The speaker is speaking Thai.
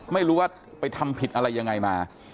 ไม่รู้ว่าไปทำผิดอะไรยังไงมา